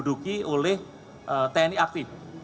dibuduki oleh tni aktif